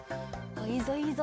いいぞいいぞ。